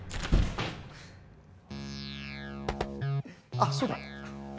あそうだ。